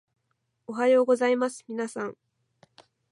おはようございますみなさん